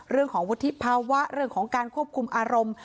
เรื่องของวุฒิภาวะเรื่องของการควบคุมอารมณ์